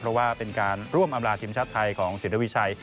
เพราะว่าเป็นการร่วมอำลาทีมชาติไทยของสินทวิชัย